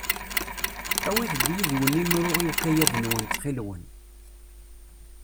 Awit-d yid-wen imru i ukayad-nwen, ttxil-wen.